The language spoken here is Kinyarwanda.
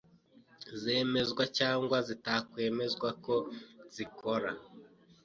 zakwemezwa cyangwa zitakwemezwa ko zikora